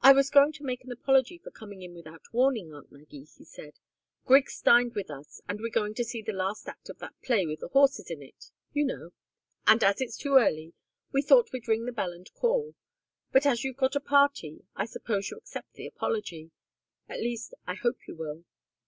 "I was going to make an apology for coming in without warning, aunt Maggie," he said. "Griggs dined with us, and we're going to see the last act of that play with the horses in it you know and as it's too early, we thought we'd ring the bell and call. But as you've got a party, I suppose you accept the apology. At least, I hope you will."